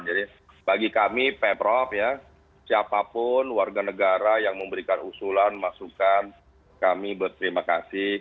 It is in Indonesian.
jadi bagi kami pemprov siapapun warga negara yang memberikan usulan masukan kami berterima kasih